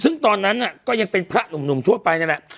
ซึ่งตอนนั้นก็ยังเป็นพระหนุ่มทั่วไปนั่นแหละ